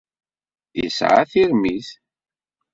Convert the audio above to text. Yesɛa tirmit.